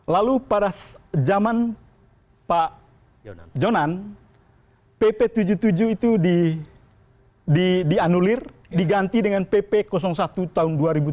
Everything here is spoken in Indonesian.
lalu pada zaman pak jonan pp tujuh puluh tujuh itu dianulir diganti dengan pp satu tahun dua ribu tujuh belas